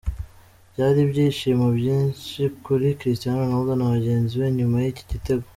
Byari ibyishimo byinshi kuri Cristiano Ronaldo na bagenzi be nyuma y'iki gitego.